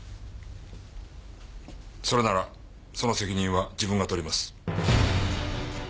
それならその責任は自分が取ります。